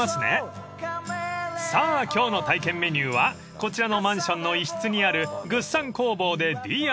［さあ今日の体験メニューはこちらのマンションの一室にあるぐっさん工房でＤＩＹ］